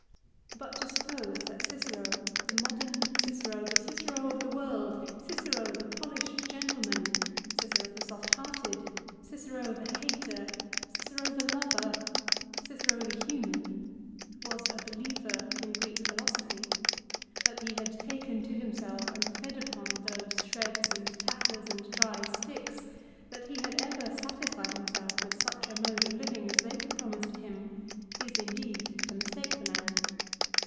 But to suppose that Cicero, the modern Cicero, the Cicero of the world, Cicero the polished gentle man, Cicero the soft hearted, Cicero the hater, Cicero the lover, Cicero the human, was a believer in Greek philosophy, that he had taken to himself and fed upon those shreds and tatters and dry sticks, that he had ever satisfied himself with such a mode of living as they could promise to him, is indeed to mistake the man.